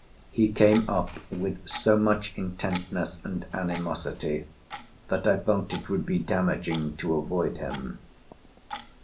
He came up with so much intentness and animosity that I felt it would be damaging to avoid him.